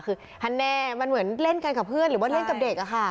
คือฮันแน่มันเหมือนเล่นกันกับเพื่อนหรือว่าเล่นกับเด็กอะค่ะ